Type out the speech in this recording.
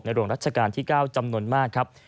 หลวงรัชกาลที่๙จำนวนมากครับ